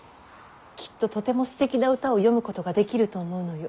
きっととてもすてきな歌を詠むことができると思うのよ。